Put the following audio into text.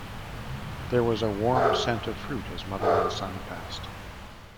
There was a warm scent of fruit as mother and son passed.